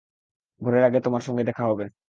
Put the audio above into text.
ভোরের আগে তোমার সাথে দেখা হবে।